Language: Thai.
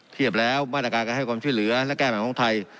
เทียบแล้วมาตรการการให้ความช่วยเหลือและแก้ใหม่ของไทย